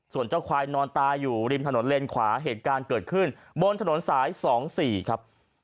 ส่วนเจ้าควายนอนตายอยู่ริมถนนเลนขวาเหตุการณ์เกิดขึ้นบนถนนสาย๒๔ครับ